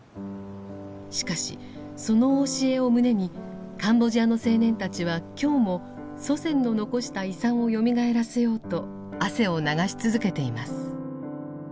しかしその教えを胸にカンボジアの青年たちは今日も祖先の残した遺産をよみがえらせようと汗を流し続けています。